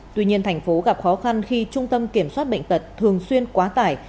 tuy nhiên tp hcm gặp khó khăn khi trung tâm kiểm soát bệnh tật thường xuyên quá tải